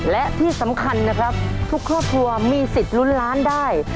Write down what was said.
และที่สำคัญนะครับทุกครอบครัวมีสิทธิ์ลุ้นล้านได้